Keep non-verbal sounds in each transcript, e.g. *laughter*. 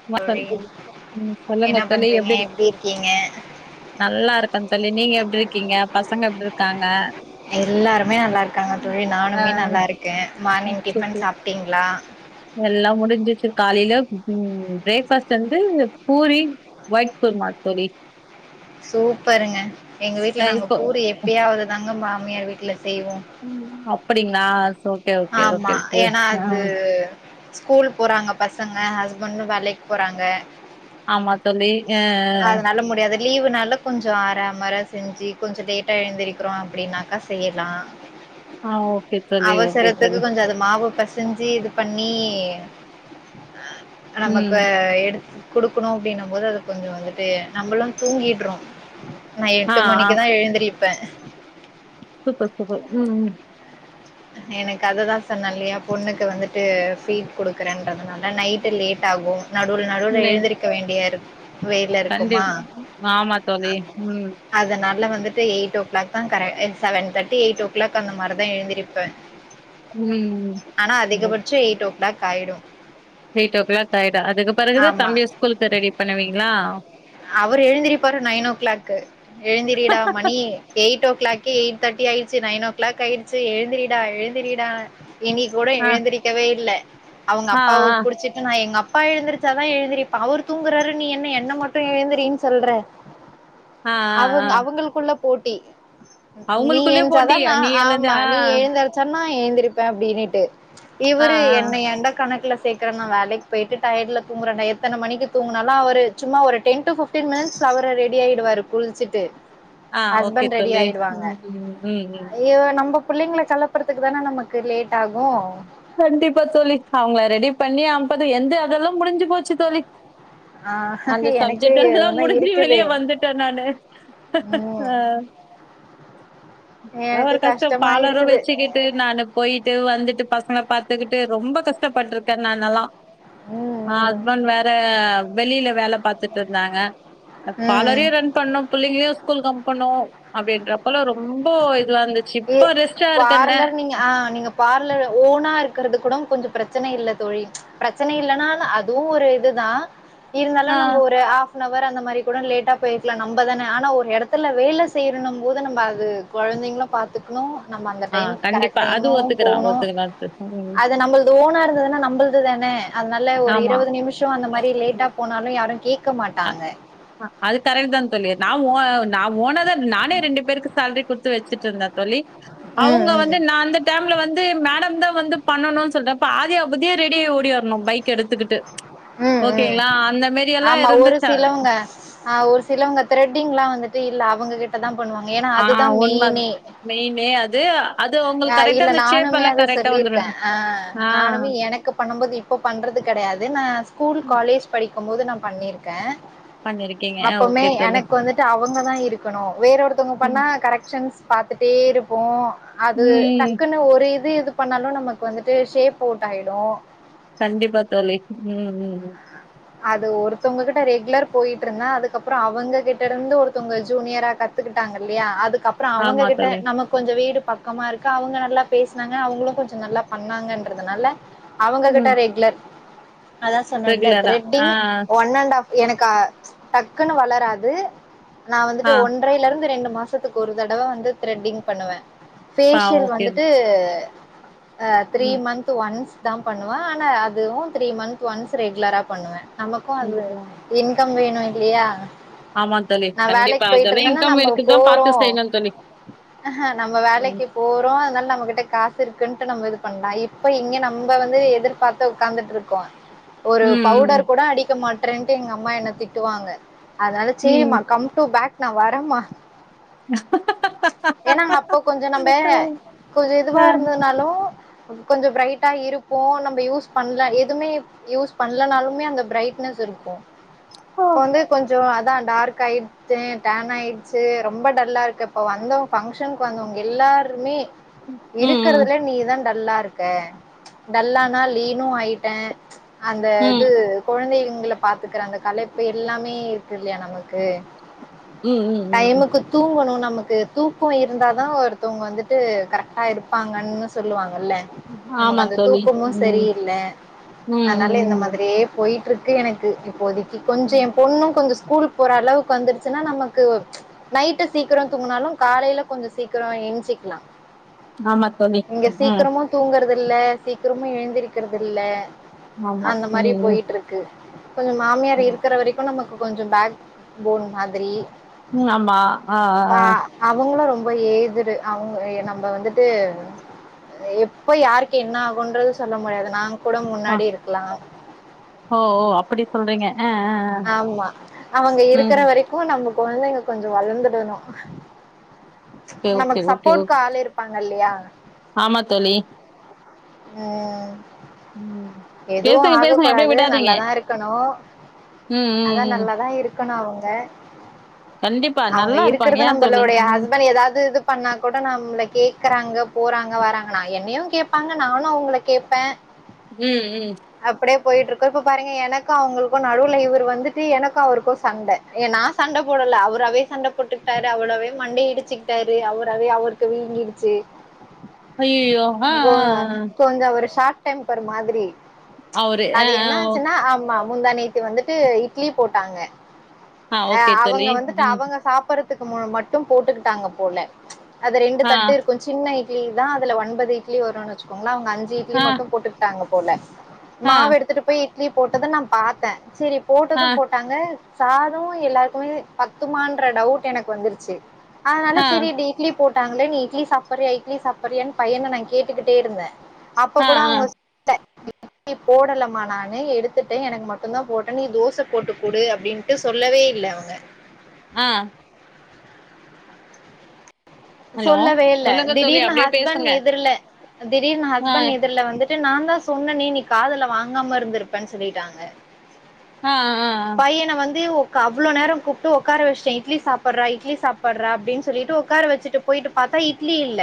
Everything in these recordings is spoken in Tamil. சும்மாதா இருக்க ம் சொல்லுங்க என்ன தோழி பண்றீங்க எப்டி இரு சொல்லுங்க தோழி இருக்கீங்க எப்டி நல்லா இருக்கந் தோழி நீங்க எப்டி இரு க்கீங்க பசங்க எப்டி இருக்காங்க எல்லாருமே நல்லா இருக்காங்க தோழி ஆ நானுமே நல்லா இருக்க மார்னிங் டிஃபன் சூப்பர் சாப்ட்டீங்ளா எல்லா முடிஞ்சிச்சு காலையில உம் ப்ரேக்பாஸ்ட் வந்து பூரி ஒயிட் குருமா தோழி சூப்பருங்க எங்க வீட்ல ஆ நாங்க இப்போ பூரி எப்பயாவது தாங்க மா மாமியார் வீட்ல செய்வோ அப்படிங்ளா ஆமா ஏனா அது ஸ்கூல் போறாங்க பசங்க ஹஸ்பண்டு வேலைக்கு போறாங்க ஆமா தோழி ஆ ஆ அதனால முடியாது லீவுனால கொஞ்சோ ஆராமற செஞ்சு கொஞ்சோ லேட்டா எழுந்திரிக்றோ அப்டினாக்க செயிலா ஆ ஓக்கே தோழி ஓக்கே துக்கு கொஞ்சோ அது மாவு பெசஞ்சு பேசஞ்சி இது பண்ணி ம் நமக்கு எடுத் குடுக்கணு அப்டின்னு போது அது கொஞ்சோ வந்துட்டு நம்பளு தூங்கிட்றோ நா ஆ எட்டு ஆ மணிக்குதா எழுந்திரிப் ப்ப சூப்பர் சூப்பர் உம் உம் எனக்கு அததா சொன்ன இல்லயா பொண்ணுக்கு வந்துட்டு ஃபீட் குடுக்குறேன்றதுனால நைட்டு லேட் ஆகு நடுவுல நடுவுல இல்ல எழுந்திருக்க வேண்டிய இருக் வேல கண்டி இருக்குமா ஆமா அ தோழி ம் அதனால ள்ள வந்துட்டு எய்ட் ஓ க்ளாக் தா கர எ செவன் தேட்டி எய்ட் ஓ க்ளாக் அந்தமாரிதா எழுந்திரி ப ம் ஆனா ஓ அதிகபட்சோ எய்டோ க்ளாக்காயிடு எயிட் ஓ க்ளாக் ஆய் தா அதுக்கு பெறகுதா தம்பிய ஸ்கூலுக்கு ரெடி பண்ணுவீங்ளா அவரு எழுந்திரிப்பாரு நைன்னோ கிளாக்கு எழுந்திரடா மணி எயிட் ஓ கிளாக் எயிட் தேட்டி ஆயிடிச்சு நைன்னோ கிளாக் ஆயிடிச்சு எழுந்திரிடா எழுந்திரிடா இன்னிக் கூட ஆ எழுந்திரிக்கவே இல்ல அவங்க ஆ ஆ அப்பாவ புடிச்சிட்டு நா எங்க அப் அப்பா எழுந்திரிச்சா தா எழுந்திரிப்பா அவர் தூங்குறாரு நீ என்ன என்ன மட் மட்டு எழிந்திரினு சொல்றே ஆ ஆ ஆ அவங்க அவங்களுக்குள்ள போட் டி நீ அவங்களுக்குள்ளயே போட்டி என்ச்சாதா ந நீ எழுந்து ஆமா ஆ நீ எழுந்தர்ச்சன்னா ஏந்திரிப்பே அப்டீனுட்டு ஆ ஆ இவுரு என்ன எந்த கணக்ல சேக்ர நா வேலக் பெய்ட்டு டயட்ல தூங்குறடா எத்தன மணிக்கு தூங்குனாலு அவரு சும்மா ஒரு டென் டு ஃபிப்டின் மினிட்ஸ் அவரு ரெடி ஆயிடுவாரு குள்ச்சிட்டு ஆ ஓகே தோழி ம் ம் புள்ளிங்ள கலப்புற்த்துக்கு தான நமக்கு லேட் ஆகு கண்டிப்பா தோழி அவங்ளா ரெடி பண்ணி அன்பது எந்த அதெல்லா முடிஞ்சு போச்சு தோழி ஆ அந்த எனக்கு சப்ஜெக்ட் எல்லா இன்னு முடிஞ்சி இருக்குது வெளிய வந்துட்ட நானு ம் அ எனக்கு ஒவரு கஷ்டோ கஷ்டமா பாலரு இருக்குது வெச்சிகிட்டு நானு போயிட்டு வந்துட்டு பஸ் பாத்துக்குட்டு ரொம்ப கஷ்டப்பட்ருக்கே நானெலா அ ம் ஹஸ்பண்ட் வேற வெளில வேல பாத்துட்ருந்தாங்க ம் ம் பாலரையு ரன் பண்ணு புள்ளிங்ளியு ஸ்கூல் கம் பனு அப்டின்றப்பல்லா ரொ ஏ இருக்கன்னே பார்லர் நீங்க ஆ நீங்க பார்லர் ஓனா இருக்கற்து கூட கொஞ்சொ ப்ரச்சன இல்ல தோழி பிரச்சன இல்லனா அதுவு ஒரு இதுதா இருந்தாலு ஆ நம்ப் ஒரு ஆஃப் ஃபுனவர் அந்த மாரி கூட லேட்டா போயிக்லா நம்பதான ஆனா ஒரு எடத்துல வேல செய்னுனுன்னம்போது நம்ப அது கொழந்தைங்ளு பாத்துக்ணு நம்ம அந்த ஆ டைம் கண்டிப்பா கரெக்ட் அது டைமு ஒத்துக்கிறா போணு ஒத்துக்கிறா ம் அது நம்மள்து ஓனா இருந்துது நா நம்புள்து தான அதனால ஒரு ஆமா இருவது நிமிஷோ அந்த மாரி லேட்டா போனாலு யாரு கேக் அ ஆ அது கரெக்ட் தா தோழி நான் ஓ நான் ஓனதான் நானே ரெண்டு பேருக்கு சால்ரி குடுத்து வச்சுட்டு இருந்தேன் தோழி ம், அவுங்க ம். வந்து நான் அந்த டைம்ல வந்து மேடம் தான் வந்து பண்ணணும்னு சொல்ற பாதி அப்டியே ரெடியா ஓடி வரணும் பைக் எடுத்துக்கிட்டு ஓகேங்களா அந்த மாரி எல்லாம் இருந்து சிலவுங்க ஆ ஒரு சிலவுங்க த்ரெட்டிங்லாம் வந்துட்டு இல்ல அவுங்ககிட்ட தான் ஆ உண்ம மெயினே அது அ ஆ இல்ல நானுமே அத சொல்லியிருக்கேன் ஆ ஆ நானுமே எனக்கு பண்ணும்போது இப்ப பண்றது கெடையாது நான் ஸ்கூல் காலேஜ் படிக் க்கும் போது நான் பண்ணியிருக்கே பண்ணிருக்கீங்க அப்புமே ஓகே தோழி எனக்கு வந்துட்டு அவ அங்கதா இருக்கணு வேற ஒருத்தவங்க ம் பண்ணா கரெக்ஷன்ஸ் பாத்துட்டே இருப்போ அது ம் டக்குன்னு ஒரு இது இது பண்ணாலு நமக்கு வந்துட்டு ஷேப் அவுட் ஆயிடு கண்டிப்பா தோழி ம் ம் ம் அது ஒருத்தவங்ககிட்ட ரெகுலர் போயிட்ருந்த அதுக்கப்புற அவங்க கிட்ட இருந்து ஒருத்தவங்க ஜூனியரா கத்துக்கிட்டாங்க இல்லையா அது கப்புறோ ஆமா அவங்ககிட்ட தோழி நம்மக்கு கொஞ்சோ வீடு பாக் க்கமா இருக்கு அவங்க நல்லா பேசுனாங்க அவங்களும் கொஞ்சம் நல்லா பண்ணாங்கன்றதுனால அவங்க கிட்ட ம் ரெக்லர் அதா சொன்னல்ல ரெகுலரா த்ரெட்டிங் ஆ ஒன் அண்ட் ஹஃப் எனக்கு அ டக்குன்னு வளராது நான் வந்துட்டு ஆ ஒன்றையிலருந்து ரெண்டும் மாசத்துக்கு ஒரு தடவ வந்து த்ரெட்டிங் பண்ணுவேன் ஆ ஃபேஷியல் ஓகே வந்துட்டு அ த்ரீ ம் மந்த்து ஒன்ஸ் தா பண்ணுவன் ஆனா அதுவும் த்ரீ மந்த்து ஒன்ஸ் ரெக்லராப் பண்ணுவேன் நமக்கும் அது கண்டிப்பா. இன்கம் வேணும் இ ல்லியா ஆமா தோழி நா கண்டிப்பா வேலைக் அதெல்லா போயிட்ருந்தேன்னா இன்கம் நம்ப இருக்குதோ பாத்து போறோ செய்யணு தோழி அ அ நம்ம வேலைக்கி போறோ அத்னால் நம் நம்மகிட்ட காசு இருக்குன்ட்டு நம்ம இது பண்லா இப்ப இங்க நம்ப வந்து எதிர்பாத்து உக்காந்துட்ருக்கோ ஒரு ம் பவுடர் கூட அடிக்க மாட் றண்ட்டு எங்க அம்மா என்ன திட்டுவாங்க அதனால ம் சேரிமா கம் டு பேக் நா வரமா ஏன்னா அப்ப கொஞ்ச நம்ப ம் கொஞ்ச ஆ, இதுவா இருந்தனாலு கொஞ்ச பிரைட்டா இருப்போ நம்ம யூஸ் பண்ல எதுமே யூஸ் பண்லனாலுமே அந்த பிரைட்னஸ் இருக்கு ஆ. இப்ப வந்து கொஞ்ச அ தா டார்க் ஆயிருச்சு டேன் ஆயிருச்சு ரொம்ப டல்லா இருக்கு இப்ப வந்தவங் ஃபங்க்ஷனுக்கு வந்தவங்க எல்லாருமே ம் ம் இருக்கறதுல நீதான் டல்லா இருக்க டல்லானா லீனும் ஆயிட்டே அந்த இது ம் கொழந்தைங்க ங்க பாத்துக்கிறாங்க கலைப்பு எல்லாமே இருக்கு இல்லையா நமக்கு ம் ம் ம். டைமுக்கு தூங்கணுனா நமக்கு தூக்க இருந்தா தா ஒருத்தவங்க வந்துட்டு கரெக்டா இருப்பாங்கனு சொல்லுவாங்க ல்ல ஆமா நமக்கு அந்த தோழி தூக்கமு ம் சரியில்ல ம் அதனால ம் இந்த ம் மாதிரியே போயிட் ருக்கு எனக்கு இப்போதிக் கொஞ்ச என் பொண்ணும் கொஞ்சம் ஸ்கூல் போற அளவுக்கு வந்துடுச்சுன்னா நமக்கு நைட்டு சீக்கிர தூங்கினாலு காலையில கொஞ்ச சீக்கிர எண்சுக்கலா ஆமா தோழி இங்க ம் சீக்கிரமு தூங்குறது இல்ல சீக்கிரமு எழுந்திருக்கிறது இல்ல ஆமா அந்த மாரி ம் ம் போயிட்இருக்கு கொஞ்ச மாமியார் இருக்கிற வரைக்கு நமக்கு கொஞ்ச பேக் போன் மாதிரி உம் ஆமா ஆஹ்ஹ் ப ஏஜ்ட் அவுங்க நம்ம வந்துட்டு எப்ப யாருக்கு என்ன ஆகுன்றது சொல்ல முடியாது நாங்க கூட ஆ ஆ. முன்னாடி இருக்கு ஆஹ் ஓ ஓ அப்படி சொல்றீங்க ஆ ஆ ஆ ஆமா அவுங்க ம் இருக்கிற வரைக்கும் நம்ம கொழந்தைங்க கொஞ்சம் வளர்ந்துடணும் ஓகே ஓகே நமக்கு ஓகே சப்போர்டகு ஓகே ஆல் இருப்பாங்க இல்லையா ஆமா தோழி ம் ம் எதுவு பேசுங்க பேசுங்க அப்டியே ஆககூடாது விடாதீங்க நல்லாதா இருக்கணும் ம் ம் அதான் ம் நல்லாதான் இரு க்கனு அவுங்க கண்டிப்பா அவுங்க நல்லா இருப்பாங்க இருக்கறது ஏன் தோழி நம்மளுடைய ம் ஹஸ்பன்ட் எதாது இது பண்ணா கூட நம்ள கேக் குறாங்க போறாங்க வராங்க நா என்னையும் கேட்பாங்க நானும் அவங்கள கேட்பே உம் உம் போயிட்டு இருக்கோம் இப்ப பாருங்க எனக்கும் அவருக்கும் நடுவுல இவரு வந்துட்டு எனக்கும் அவருக்கும் சண்டை ஏ நான் சண்டை போடலை அவரே சண்டை போட்டுக்கிட்டாரு அவரவே மண்டை இடிச்சுக்கிட்டாரு அவரே அவருக்கு வீங்கிடுச்சு ஐய்யயோ ஆஹ்ஹ் டைம் *unintelligible* மாதிரி ஆ அது என்ன ஆ ஓகே ஆச்சுன்னா ஆமா முந்தா நேத்து வந்துட்டு இட்லி போட்டாங்க ஆ ஓகே அஹ் அவங்க தோழி வந்துட்டு ம் அவங்க சாப்படுறது க்கு மட்டும் போட்டுக்கிட்டாங்க போல அது ரெண்டு ஆ தட்டு இருக்கு சின்ன இடலி தா அதுல ஒன்பது இட்லி வரும்னு வச்சுக்கோங்க அவங்க அஞ்ச இட்லி ஆ மட்டும் போட்டு தாங்க போல ஆ மாவு எடுத்துட்டு போய் போட்டது நா பார்த்த செரி ஆ போட்டதும் போட்டாங்க சாதம் எல்லாருக்குமே பத்துமான்ற டவுட் எனக்கு வந்துருச்சு அதனால ஆ சரி இட்லி போட்டு ட்டாங்களே நீ இட்லி சாப்பறியா இட்லி சாப்பறியான்னு பையன நா கேட்டுட்டே இருந்தே அப்ப ஆ கூட அவங்க ஆ இட்லி போடலமா நானு எடுத்துட்டேன் எனக்கு மட்டும்தா போட்டே நீ தோச போட்டு கூடு அப்படின்ட்டு சொல்லவே இல்ல அவங்க ஆஹ் ஹலோ சொல்லவே இல்ல சொல்லுங்க தோழி திடீர்னு அப்டியே ஹஸ்பண்ட் பேசுங்க எதிர்ல திடீர்னு ஆ ஹஸ்பண்ட் எதிர்ல வந்துட்டு நா தா சொன்னேனே நீ காதுல வாங்காம இருந்திருப்பேன்னு சொல்லிட்டாங்க ஆ ஆ பையன வந்து அவ்வளோ நேரம் கூப்பிட்டு உட்கார வச்சே இட்லி சாப்படுறா இட்லி சாப்படுற அப்பின்னு சொல்லிட்டு உக்கார வச்சட்டு போயிட்டு பார்த்தா இட்லி இல்ல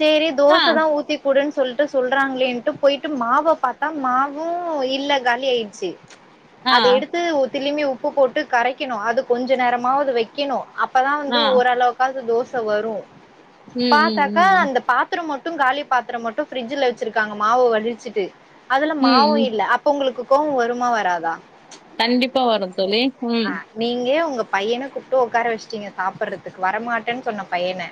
சரி ஆ தோச தா ஊத்தி கூடுன்னு சொல்லிட்டு சொல்றாங்களேன்ட்டு போயிட்டு மாவ பார்த்தா மாவும் இல்ல காலி ஆயிடுச்சு ஆ அதை எடுத்து திலும்பி உப்பு போட்டு கரைக்கணும் அது கொஞ்ச நேரமாவது வைக்கணும் அப்பதா ஆ வந்து ஓரளவுக்காவது தோச சவரும் ம் ம் பாத்தாக்கா ம் ம் அந்த பாத்திரம் மட்டும் காலி பாத்திரம் மட்டும் பிரிட்ரஜ்ல வச்சிருக்காங்க மாவு வழிச்சிட்டு அதுல ம் மாவும் ம். இல்ல அப்ப உங்களுக்கு கோவம் வருமா வராதா கண்டிப்பா வரும் தோழி ம் அஹ் நீங்க உங்க பையனை கூப்பிட்டு உட்கார வச்சுட்டீங்க சாப்பிடுறதுக்கு வரமாட்டேன்னு சொன்ன பையன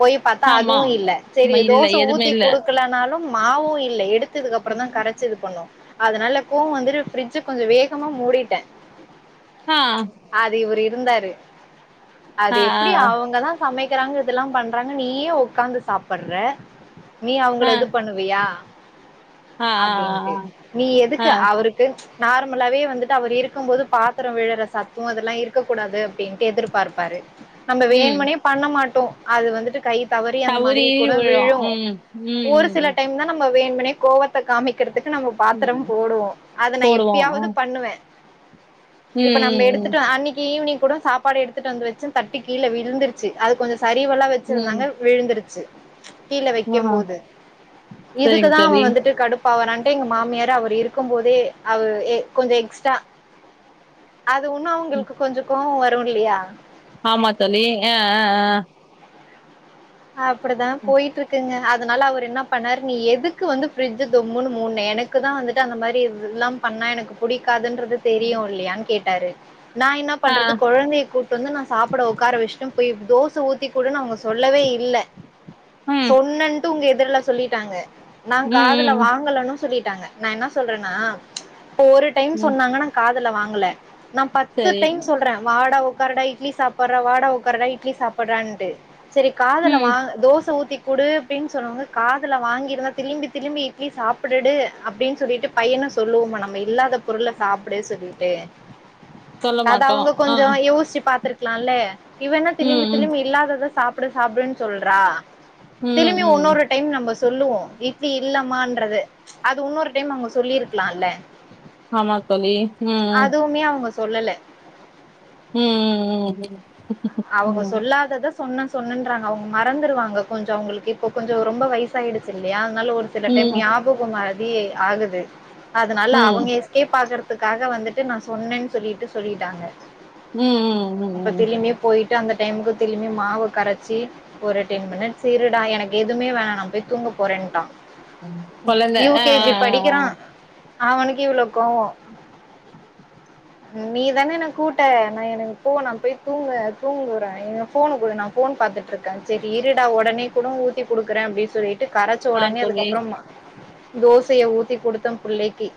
போய் பார்த்தா ஆமா அதுவும் இல்ல சரி ம இல்ல தோச எதுமே ஊத்தி இல்ல குடுக்கலனாலும் மாவும் இல்ல எடுத்து துக்குக்கப்புறம் தான் கரைச்சி இது பண்ணுவும் அதனால கோவ வந்துட்டு ஃபரிட்ஜு கொஞ்சம் வேகமா மூடிட்டேன் ஆ அது இவர் இது இருந்தாரு ஆ, அது எப்படி அவங்கதான் சமைக்க க்கிறாங்க இதெல்லாம் பண்றாங்க நீயே உட்காந்து சாப்பிடுற நீ ஆ, ஆ, அவங்கள எது ஆ, பண்ணுவியா ஆ, அப்படின்ட்டு நீ ஆ, ஆ, ஆ, எதுக்கு அவருக்கு நார்மலாவே வந்துட்டு அவர் இருக்கும் போது பார்த்த பாத்தரம் விழற சத்தம் அதெல்லாம் இருக்க கூடாது அப்படின்ட்டு எதிர்பார்பாரு நம்ம ம். வேனும்னே பண்ண மாட்டோம் அது வந்துட்டு கை தவறி அந்த மாதிரி கூட விழும் ஒரு சில டைம் தான் நம்ம மணி கோவத்தை காமிக்கிறதுக்கு நம்ம பாத்திரம் ம். போடுவோம் அதை நான் போடுவோம். அ. எப்பயாவது பண்ணுவேன் *inaudible* இப்ப நம்ம ம், ம், எடுத்துட்டு அன்னைக்கு ஈவினிங் கூட சாப்பாடு எடுத்துட்டு வந்து வச்சு தட்டு கீழே விழுந்துருச்சு அது கொஞ்சம் சரிவெல்லாம் ம், வச்சிருந்தாங்க விழுந்துருச்சு கீழே ம். ஆ. வைக்கும் போது சரிங்க இதுக்குதான் தோழி. அவன் வந்துட்டு கடுப்பாவறான் எங்க மாமியார அவர் இருக்கும் போதே அவர் கொஞ்சம் எக்ஸ்ட்ரா அது ஒண்ணும் அவங்களுக்கு கொஞ்ச கோவம் வரும் இல்லையா ஆமா தோழி ஆ ஆ ஆ அப்படிதான் போயிட்டு இருக்குங்க அதனால அவர் என்ன பண்ணரு எதுக்கு வந்து பிர்ஜு தொம்முன்னு மூடுனே எனக்கு தான் வந்துட்டு அந்த மாதிரி எல்லாம் பண்ண எனக்கு புடிக்காதுன் துன்றது தெரியும் இல்லையான் கேட்டு கேட்டாரு நான் என்ன அ, ஆ. பண்றது குழந்தைய கூட்டிட்டு வந்து நான் சாப்பிட உட்கார வச்சன் தோசை ஊத்தி கூட அவங்க சொல்லவே இல்லை ம், சொன்னன்ட்டு உங்க எ இதெல்லாம் சொல்லிட்டாங்க நாங் ம், காதுல ம், வாங்கலேன்னு சொல்லிட் நா என்ன சொல்றேன்னா ப்போ ஒரு டைம் ம். சொன்னாங்கன்னா காதுல வாங் கல நா பத்து சரி. டைம் சொல்றே வாடக உக்காருடா இட்லி சாப்புட்றா வாடா உக்கார்டா இட்லி சாப்பிடுறான்ட்டு செரி காதுல ம். வாங் தோச ஊத்தி குடு அப்டின்னு சொல்வாங்க காதுல வாங்கியிருந்தா திரும்பி திரும்பி இட்லி சாப்பிடுடு அப்டின் சொல்லிட்டு பையன சொல்லுவோம்மா நம்ம இல்லாத பொருள சாப்டுன் சொல்லிட்டு சொல்ல ச்ச் அத மாட்டோம். அவங்க ஆ. கொஞ்சோ யோஸ்ச்சு பாத்துருக் க்கலாலே இவன்னா திலும்பி ம், ம், திலும்பி இல்லாதத சாப் சாப்டு சாப்டுன் சொல்றா ம், திரும்பி ம். உன்னொரு டைம் நம்ப சொல்லுவோ இட்லி இல்லமான்றது அது உன்னொரு டைம் அவங்க சொல்லிருக்கலால்ல ஆமா தோழி உ உ அதுவுமே அவங்க சொல்லல உம் உம் உம் உம் அவங்க சொல்லாதத சொன்னன் சொ சொன்னன்றாங்க அவ்ங் மறந்துருவாங்க கொஞ்சோ அவுங்களுக்கு இப்ப கொஞ்சோ ரொம்ப வய்சாயிடுச்சு இல்லியா அத்னாலே ஒரு சில ம், டைம் ம், ஞாபகோ மறி அப்டியே ஆகுது அதனால ம், ம், அவுங்க எஸ்கேப் ஆகுற்த் த்துக்காக வந்துட்டு நா சொன்னேன் சொல்லிட்டு சொல்லிட்டாங்க உம் உம் உம் இப்ப உம் ம் ம் திரும்பியு போயிட்டு அந்த டைமுக்கு திரும்பி மாவு கரச்சி ஒரு டென் மினிட்ஸ் இருடா எனக்கு எதுமே வேணா நா போய் தூங்க போறேன்ட்டா கொழந்த யூ அ கே ஜி அ அ படிக்கிறா அ அவனுக்கு இவ்ளோ கோவோ நீ தானே என்ன கூட்ட நா எனக்கு போ நா போய் தூங்க தூங்குற எ ஃபோனு குடு நா ஃபோன் பாத்துட்டுருக்கே செரி இருடா ஒடனே கூட ஊத்தி குடுக்குறே அப்டி சொல்லி ட்டு கரச்ச அ. ஆ ஒடனே தோழி. அதுக்கப்புறோ மா தோசயை ஊத்தி குடுத்த புள்ளைக்கி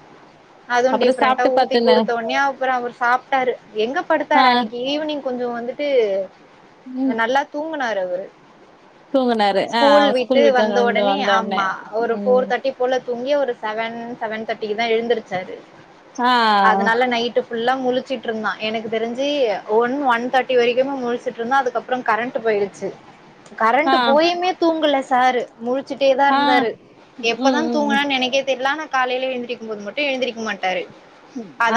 அதுவு அப்புறம் டிஃப்ரெண்ட்டா சாப்ட்டு ஊத்தி பாத்துன குடுத்த ஒன்யே அப்புறோ அவரு சாப்ட்டாரு எங்க ஆ படுத்தாரு அன்னிக்கு ஈவினிங் கொஞ்சோ வந்துட் ட்டூ நல்லா தூங்குனார் டவர்ரூ தூங்கனாரு ஆ ஸ்கூல் விட்டு வந்து வந்த உடனே உம் துங்கி ஒரு செவன் செவன் தேர்ட்டிக்கு தா எழுந்தருச்சாரு ஆ அதனால நைட்டு ஃபுல்லா முழுச்சுட்டு இருந்தா எனக்கு தெரிஞ்சு ஒன் ஒன் தேர் டி வரைக்குமே முழிச்சுட்டு இருந்தா அதுக்கப்புறம் கரண்ட் போயிடுச்சு கரண்ட ஆ போயுமே தூங்கல சாரு முழச்சுிட்டே தா ஆ இருந்தாரு எப்பதா ம் ம் தூங்கனான்னு எனக்கே தெரியலான காலைல எழுந்திரிக்கு போது மட்டும் எழுந்திரக்க மாட்டாரு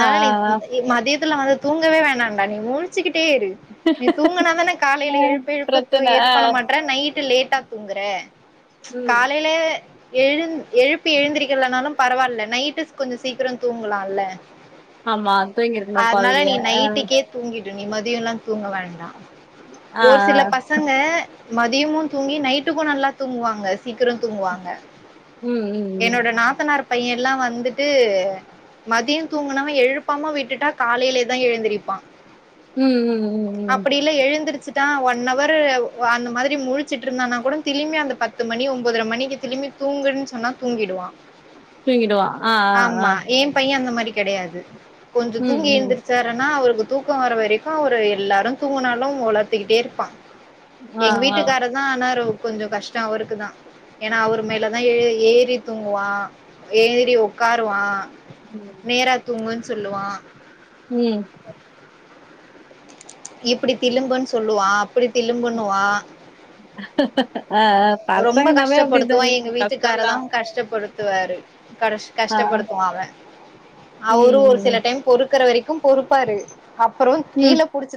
ஆ நீ ஆ ஆ மதிய த்துல வந்து தூங்கவே வேண்டாம்ண்டா நீ முழிச்சுக்கிட்டே இரு நீ தூங்கினாதானே காலைல எழுப்பு எழுப்பு பிரச்சன இது ஆ பண்ண மாட்ற நைட் லேட் ட்டா தூங்குற ம் காலைல எழுந் எழுப்பி எழுந்திரக்கலனாலு பரவால்ல நைட்டு கொஞ்ச சீக்கிரம் தூங்கலால்ல ஆமா துங்கி இருக்கணும் குழந்தைய அ நி மதியல்லா தூங்க வேண்டா ஆ ஆ ஒரு சில பசங்க மதியமு தூங்கி நைட்டுக்கு நல்லா தூங்குவாங்க சீக்கிரம் தூங்குவாங்க ம் ம் என்னோட நாத்தனார் பையன் எல்லா வந்துட்டு மதியம் தூங்கினவ எழுப்பாம விட்டுட்டா காலைலேதா எழுந்திருப்பா உம் ம் ம் ம் அப்படி எல்ல எழுந்தருச்சு தா ஒன் ஹவர் அந்த மாதிரி முழிச்சுட்டு இருந்தானா கூட திரும்மி அந்த பத்து மணி ஒன்பதர மணிக்கு திரும்பி தூங்குன்னு சொன்னா தூங்கிடுவா தூங்கிடுவா ஆ ஆ ஆமா ஏ பைய அந்த மாரி கெடையாது கொஞ்ச ம் தூங்கி ம் எழுந்திருச்சாருனா அவருக்கு தூக்கம் வர வரைக்கு ஒரு எல்லாரு தூங்கினாலு உளத்திக்கிட்டே இருப்பா ஆ எங்க ஆ வீட்டுக்கார தா ஆனா ரொ கொஞ்ச கஷ்டம் அவருக்கு தா ஏன்னா அவர் மேலே தா ஏ ஏறி தூங்குவா ஏறி உட்காருவா ம் நேரா தூங்கு சொல்லுவா ம் இப்படி திலும்புன்னு சொல்லுவா அப்படி திலும்புனுவா ஆ ஆ ரொம்ப பசங்கனாவே கஷ்டப்படுத்துவா அப்டிதாங்க எங்க கஷ்டந்தா வீட்டுக்காரரு கஷ்டப்படுத்துவாரு கஷ் ஆ கஷ்டப்படுத்துவா அவ ம் அவரு ஒரு சில ம் டைம் பொறுக்கற வரைக் கும் பொறுப்பாரு அப்பற ம் கீழ புடிச்சு